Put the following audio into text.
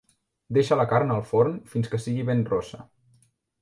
Deixa la carn al forn fins que sigui ben rossa.